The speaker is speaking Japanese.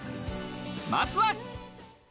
まずは。